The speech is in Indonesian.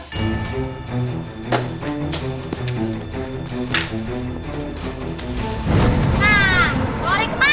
hah keluarin kemana kamu